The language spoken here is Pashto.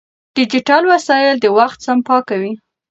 ډیجیټل وسایل د وخت سپما کوي.